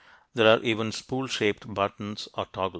There are even spool shaped "buttons" or toggles.